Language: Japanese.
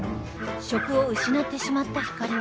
職を失ってしまったひかりは